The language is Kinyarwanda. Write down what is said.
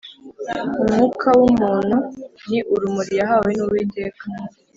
umwuka w’umuntu ni urumuri yahawe n’uwiteka,